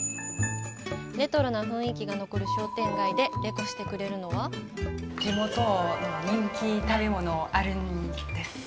レトロな雰囲気が残る商店街でレコしてくれるのは地元の人気の食べ物、あるんです。